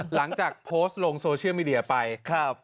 หลังจากโพสต์ลงโซเชียลมีเดียไปครับ